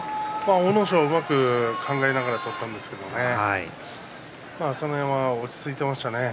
阿武咲は考えながらうまく取ったんですが朝乃山は落ち着いていましたね。